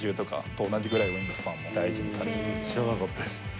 知らなかったです。